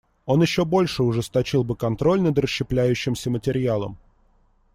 Он еще больше ужесточил бы контроль над расщепляющимся материалом.